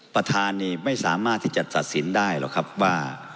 ประธานนี่ไม่สามารถที่จะตัดสินได้หรอกครับว่า